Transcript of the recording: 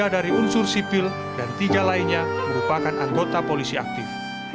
tiga dari unsur sipil dan tiga lainnya merupakan anggota polisi aktif